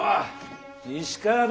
石川殿。